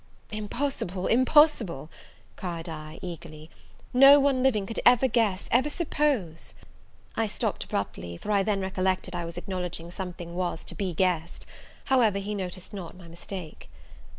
"Impossible! impossible!" cried I, eagerly; "no one living could ever guess, ever suppose " I stopped abruptly; for I then recollected I was acknowledging something was to be guessed: however, he noticed not my mistake.